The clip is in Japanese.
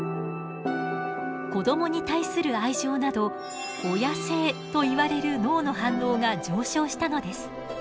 子どもに対する愛情など親性といわれる脳の反応が上昇したのです。